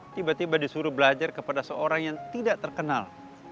tiba tiba disuruh belajar kepada seorang yang tidak terkenal